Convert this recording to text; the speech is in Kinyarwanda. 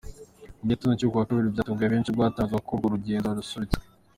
Mu gitondo cyo ku wa kabiri byatunguye benshi ubwo hatangazwaga ko urwo rugendo rusubitswe.